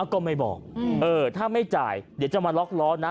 ก็ไม่บอกเออถ้าไม่จ่ายเดี๋ยวจะมาล็อกล้อนะ